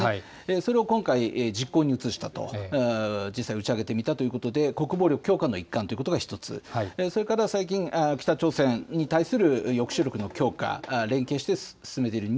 それを今回実行に移したと、実際打ち上げて見たということで、国防力強化の一環ということが１つ、それから最近、北朝鮮に対する抑止力の強化、連携して進めている日